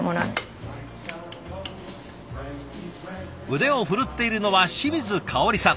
腕を振るっているのは清水かおりさん。